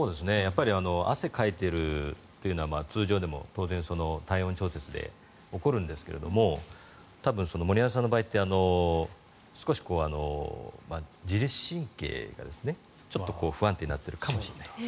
汗をかいているというのは通常でも当然体温調節で起こるんですけれど多分、森山さんの場合って少し自律神経がちょっと不安定になっているかもしれない。